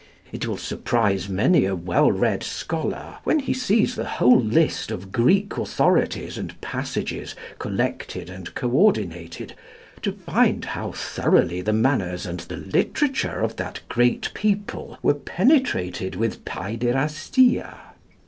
It will surprise many a well read scholar, when he sees the whole list of Greek authorities and passages collected and co ordinated, to find how thoroughly the manners and the literature of that great people were penetrated with pæderastia.